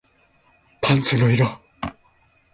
パンツの色